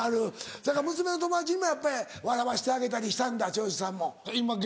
せやから娘の友達笑わしてあげたりしたんだ長州さんも。